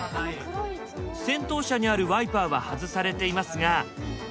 先頭車にあるワイパーは外されていますが。